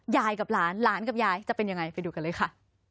ยายกับหลานหลานกับยายจะเป็นยังไงไปดูกันเลยค่ะ